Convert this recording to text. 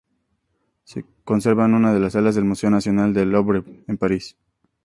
Se conserva en una de las salas del Museo Nacional del Louvre en París.